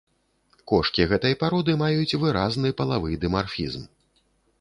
Кошкі гэтай пароды маюць выразны палавы дымарфізм.